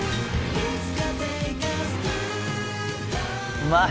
うまい！